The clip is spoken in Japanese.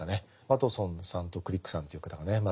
ワトソンさんとクリックさんという方がね